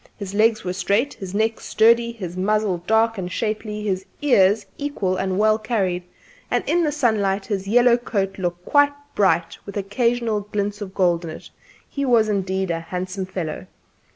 His legs were straight; his neck sturdy; his muzzle dark and shapely; his ears equal and well carried; and in the sunlight his yellow coat looked quite bright, with occasional glints of gold in it. He was indeed a handsome fellow.